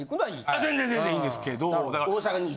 あ全然全然いいんですけど。